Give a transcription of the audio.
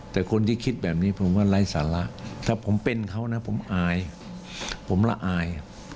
แต่คนที่คิดแบบนี้ผมว่าไร้สาระถ้าผมเป็นเขานะผมอายผมละอาย